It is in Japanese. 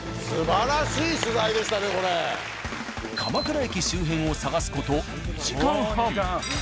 鎌倉駅周辺を探す事２時間半。